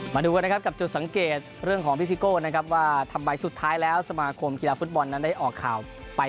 มาดูกันนะครับกับจุดสังเกตเรื่องของพี่ซิโก้นะครับว่าทำไมสุดท้ายแล้วสมาคมกีฬาฟุตบอลนั้นได้ออกข่าวไป